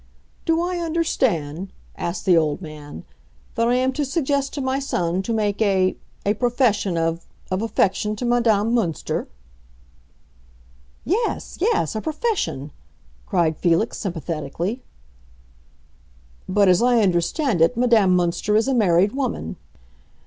"Do I understand," asked the old man, "that I am to suggest to my son to make a—a profession of—of affection to Madame Münster?" "Yes, yes—a profession!" cried Felix sympathetically. "But, as I understand it, Madame Münster is a married woman."